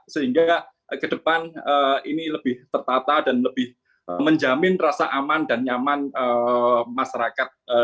sehingga ke depan ini lebih tertata dan lebih menjamin rasa aman dan nyaman masyarakat